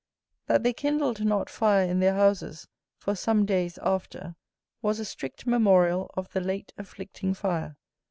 That they kindled not fire in their houses for some days after was a strict memorial of the late afflicting fire.